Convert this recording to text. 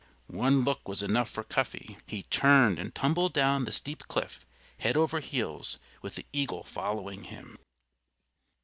One look was enough for Cuffy. He turned and tumbled down the steep cliff, head over heels, with the eagle following him.